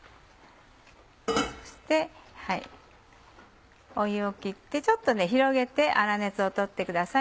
そして湯を切ってちょっと広げて粗熱を取ってください。